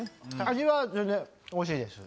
味は全然おいしいです。